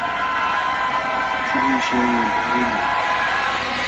Chulinshi qanyan paqarilqun.